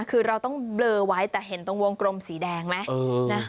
คือเราต้องเบลอไว้แต่เห็นตรงวงกลมสีแดงไหม